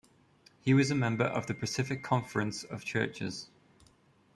He was a member of the Pacific Conference of Churches.